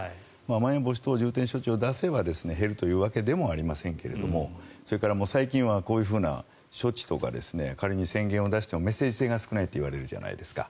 まん延防止等重点措置を出せば減るというわけでもありませんがそれから、最近はこういう措置とか仮に宣言を出してもメッセージ性が少ないといわれるじゃないですか。